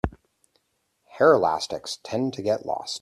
Hair elastics tend to get lost.